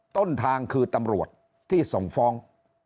ต้นทางคือตำรวจที่ส่งฟ้อง